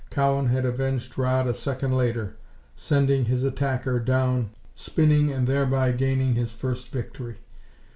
Cowan had avenged Rodd a second later, sending his attacker down spinning and thereby gaining his first victory.